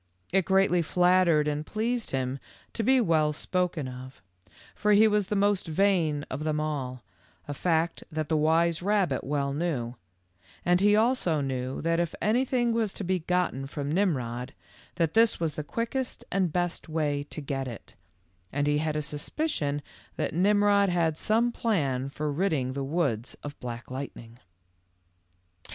It greatly flattered and pleased him to be well spoken of, for he was the most vain of them all, a fact that the wise rabbit well knew, and he also knew that if anything was to be gotten from Mmrod, that this was the quickest and best way to get it, and he had a suspicion that Mmrod had some plan for ridding the woods of Black Lightning